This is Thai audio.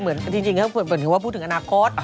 เหมือนกันจริงเหมือนกันว่าพูดถึงอนาคต